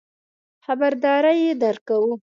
خبرداری درکوو.